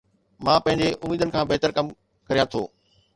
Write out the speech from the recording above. مان پنهنجي اميدن کان بهتر ڪم ڪريان ٿو